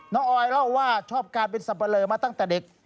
ออยเล่าว่าชอบการเป็นสับปะเลอมาตั้งแต่เด็ก